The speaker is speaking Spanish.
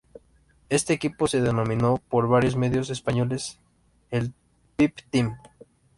Este equipo se denominó por varios medios españoles el "Pep Team".